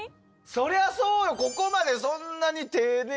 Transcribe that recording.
そりゃそうよ。